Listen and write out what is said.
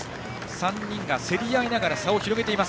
３人が競り合いながら差を広げている。